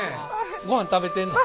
ごはん食べてんの？